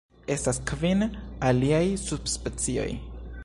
Estas kvin aliaj subspecioj.